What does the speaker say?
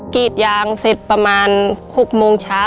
กรีดยางเสร็จประมาณ๖โมงเช้า